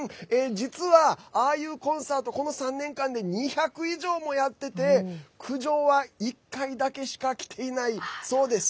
実は、ああいうコンサートをこの３年間で２００以上もやってて苦情は１回だけしかきていないそうです。